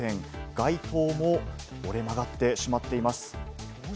外灯も折れ曲がってしまっています。